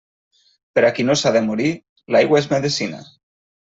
Per a qui no s'ha de morir, l'aigua és medecina.